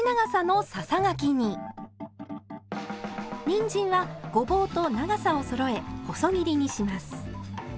にんじんはごぼうと長さをそろえ細切りにします。